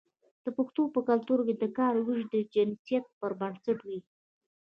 د پښتنو په کلتور کې د کار ویش د جنسیت پر بنسټ وي.